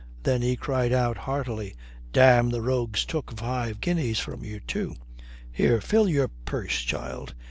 Then he cried out heartily: "Damme, the rogues took five guineas from you too. Here, fill your purse, child."